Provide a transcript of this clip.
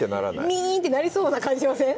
ミーンってなりそうな感じしません？